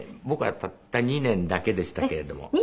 僕はたった２年だけでしたけれども。